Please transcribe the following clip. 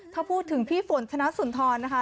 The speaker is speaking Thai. ถ้าพูดถึงพี่ฝนธนสุนทรนะคะ